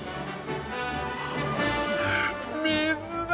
水だ！